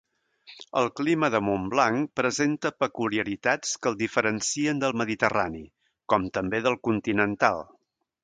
El clima de Montblanc presenta peculiaritats que el diferencien del mediterrani, com també del continental.